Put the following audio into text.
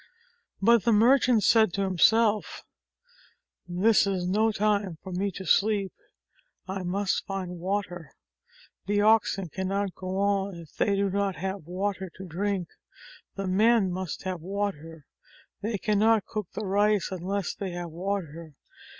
But the merchant said to himself, "This is no time 27 JATAKA TALES for me to sleep. I must find water. The oxen can not go on if they do not have water to drink. The men must have water. They cannot cook the rice unless they have water.